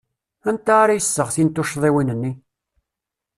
Anta ara iseɣtin tuccḍiwin-nni?